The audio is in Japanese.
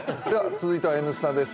続いては「Ｎスタ」です。